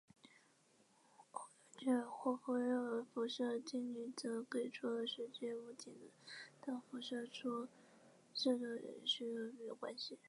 基尔霍夫热辐射定律则给出了实际物体的辐射出射度与吸收比之间的关系。